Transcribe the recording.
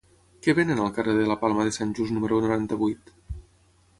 Què venen al carrer de la Palma de Sant Just número noranta-vuit?